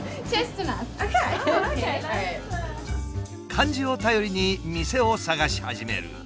漢字を頼りに店を探し始める。